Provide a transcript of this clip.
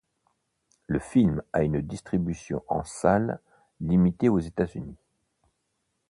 Le film a une distribution en salles limitée aux États-Unis.